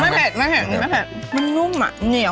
กะเพราทอดไว้